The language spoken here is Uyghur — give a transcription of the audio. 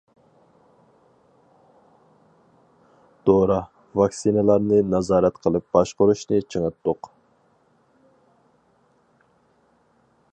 دورا، ۋاكسىنىلارنى نازارەت قىلىپ باشقۇرۇشنى چىڭىتتۇق.